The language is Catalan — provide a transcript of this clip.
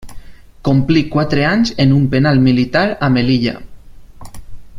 Complí quatre anys en un penal militar a Melilla.